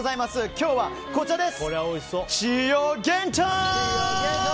今日はこちらです！